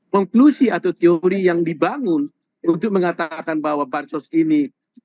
konklusi atau teori yang dibangun untuk mengatakan bahwa bansos ini